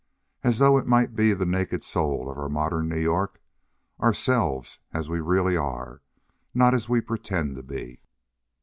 As though it might be the naked soul of our modern New York, ourselves as we really are, not as we pretend to be."